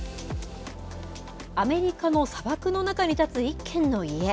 アメリカの砂漠の中に建つ一軒の家。